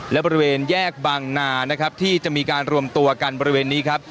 และบริเวณแยกบางนานะครับที่จะมีการรวมตัวกันบริเวณนี้ครับ